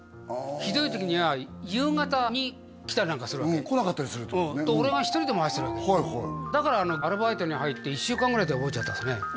ひどい時には夕方に来たりなんかするわけ来なかったりするってことねうん俺が一人で回してるわけだからアルバイトに入って１週間ぐらいで覚えちゃったんですね